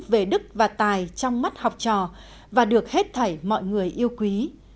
về đức và tài trong mắt học trò và được hết thảy mọi người yêu quý